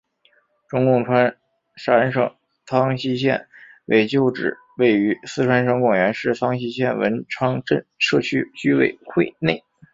中共川陕省苍溪县委旧址位于四川省广元市苍溪县文昌镇社区居委会内。